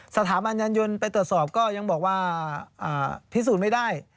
สถาบันยานยนต์ไปตรวจสอบก็ยังบอกว่าพิสูจน์ไม่ได้